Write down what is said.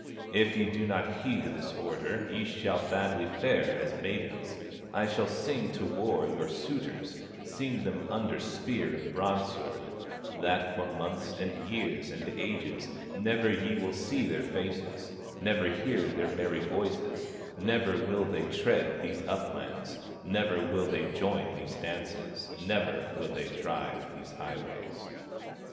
If ye do not heed this order, Ye shall badly fare as maidens; I shall sing to war your suitors, Sing them under spear and broadsword, That for months, and years, and ages, Never ye will see their faces, Never hear their merry voices, Never will they tread these uplands, Never will they join these dances, Never will they drive these highways."